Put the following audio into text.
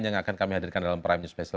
yang akan kami hadirkan dalam prime news